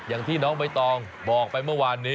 อย่างที่น้องใบตองบอกไปเมื่อวานนี้